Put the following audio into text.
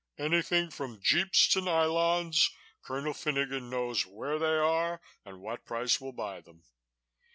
Anything from jeeps to nylons, Colonel Finogan knows where they are and what price will buy them.